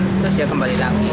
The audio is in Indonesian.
terus dia kembali lagi